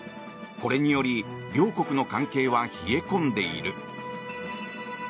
これにより両国の関係は冷え込んでいる。